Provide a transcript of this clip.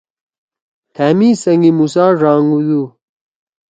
تھأ می سنگ مُوسٰی ڙانگُودُو